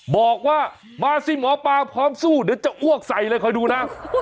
บอกว่ามาสิหมอปลาพร้อมสู้เดี๋ยวจะอ้วกใส่เลยคอยดูนะ